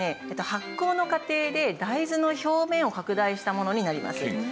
発酵の過程で大豆の表面を拡大したものになります。